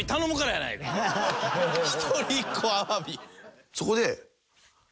１人１個アワビ。